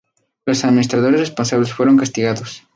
Los administradores responsables fueron castigados.